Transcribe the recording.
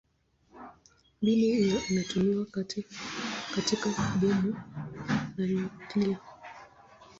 Mbinu hiyo inatumiwa katika bomu la nyuklia.